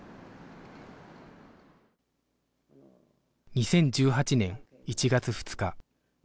２０１８年１月２日